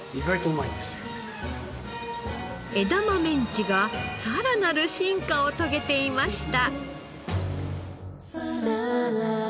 えだまメンチがさらなる進化を遂げていました。